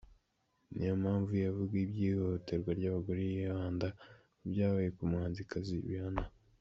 Niyo mpamvu iyo avuga iby’ihohoterwa ry’abagore, yibanda ku byabaye ku muhanzikazi Rihanna.